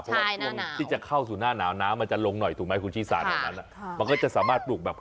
คือเวลาที่จะเข้าสู่หน้าหนาวน้ำจะลงหน่อยถูกไหมคุณชีซา